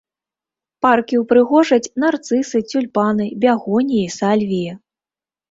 Паркі ўпрыгожаць нарцысы, цюльпаны, бягоніі, сальвіі.